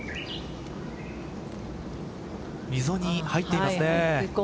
溝に入っていますね。